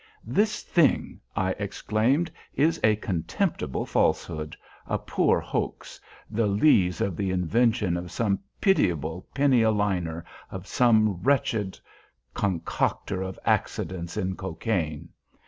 "This thing," I exclaimed, "is a contemptible falsehood—a poor hoax—the lees of the invention of some pitiable penny a liner, of some wretched concocter of accidents in Cocaigne.